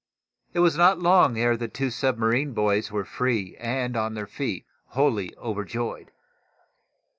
It was not long ere the two submarine boys were free and on their feet, wholly overjoyed.